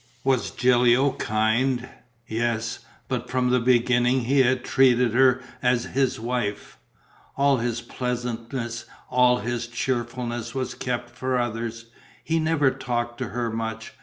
Was Gilio kind? Yes, but from the beginning he had treated her as "his wife." All his pleasantness, all his cheerfulness was kept for others: he never talked to her much.